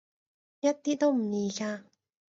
一啲都唔易㗎